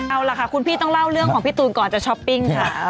เอาล่ะค่ะคุณพี่ต้องเล่าเรื่องของพี่ตูนก่อนจะช้อปปิ้งค่ะ